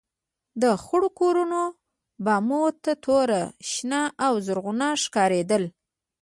د خړو کورونو بامونه تور، شنه او زرغونه ښکارېدل.